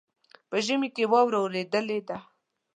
په ژمي کې واوره اوریدلې ده.